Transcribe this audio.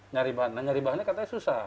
nah nyari bahannya katanya susah